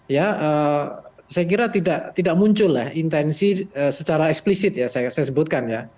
ya saya kira tidak muncul lah intensi secara eksplisit ya saya sebutkan ya